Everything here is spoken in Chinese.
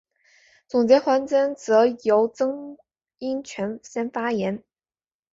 总结环节则由曾荫权先发言。